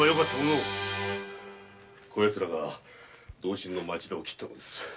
こやつらが同心の町田を切ったのです。